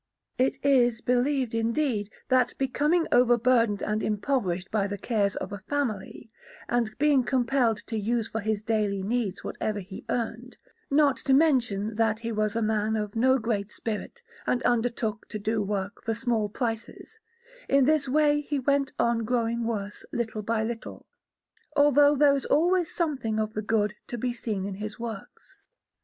It is believed, indeed, that, becoming overburdened and impoverished by the cares of a family, and being compelled to use for his daily needs whatever he earned, not to mention that he was a man of no great spirit and undertook to do work for small prices, in this way he went on growing worse little by little; although there is always something of the good to be seen in his works.